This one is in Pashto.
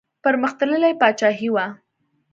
پرمختللې پاچاهي وه.